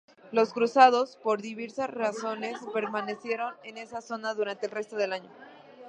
Los cruzados, por diversas razones, permanecieron en esa zona durante el resto del año.